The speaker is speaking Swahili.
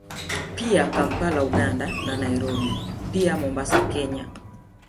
Pia Kampala Uganda na Nairobi pia Mombasa Kenya